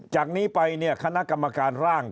จากนี้ไปคณะกรรมการร่าง